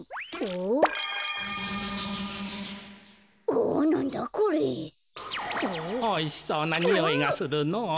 おいしそうなにおいがするのぉ。